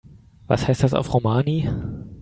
Was heißt das auf Romani?